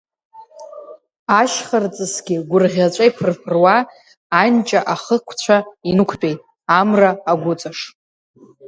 Ашьхарҵысгьы гәырӷьаҵәа иԥырԥыруа анҷа ахықәцәа инықәтәеит, амра агәыҵаш.